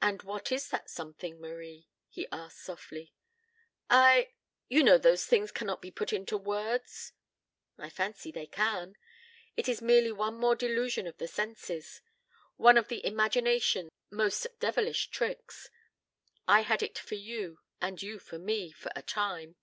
"And what is that something, Marie?" he asked softly. "I you know those things cannot be put into words." "I fancy they can. It is merely one more delusion of the senses. One of the imagination's most devilish tricks. I had it for you and you for me for a time!